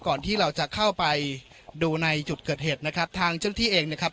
ก่อนที่เราจะเข้าไปดูในจุดเกิดเหตุนะครับทางเจ้าหน้าที่เองนะครับ